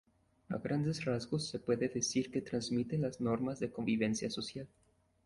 A grandes rasgos se puede decir que transmite las normas de convivencia social.